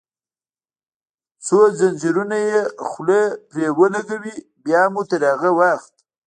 څو زنځیرونه یې خوله پرې ولګوي، بیا مو تر هغه وخت.